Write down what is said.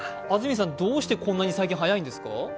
安住さん、どうしてこんなに早いんですか？